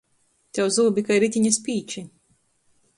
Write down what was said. Tev zūbi kai ritiņa spīči.